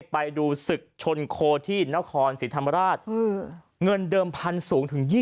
ไปดูศึกชนโคที่นครศรีธรรมราชเงินเดิมพันธุ์สูงถึง๒๐